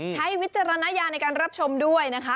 วิจารณญาณในการรับชมด้วยนะคะ